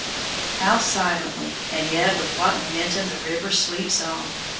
How silently and yet with what momentum the river sweeps on!